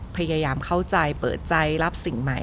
พยายามเข้าใจเปิดใจรับสิ่งใหม่